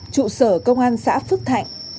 chủ sở công an xã phước thạnh